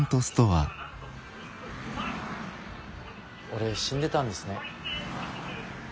俺死んでたんですね。